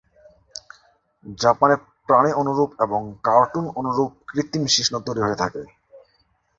জাপানে প্রাণী অনুরূপ এবং কার্টুন অনুরূপ কৃত্রিম শিশ্ন তৈরী হয়ে থাকে।